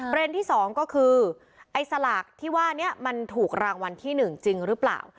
ประเด็นที่สองก็คือไอ้สลากที่ว่าเนี่ยมันถูกรางวัลที่หนึ่งจริงหรือเปล่า